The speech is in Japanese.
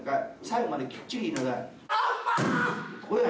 最後まできっちり言いなさい。